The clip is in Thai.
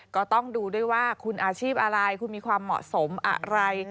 ก็ต้องดูด้วยว่าคุณอาชีพอะไรคุณมีความเหมาะสมอะไร